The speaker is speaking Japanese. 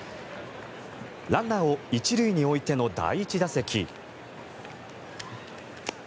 ランナーを１塁に置いての第１打席。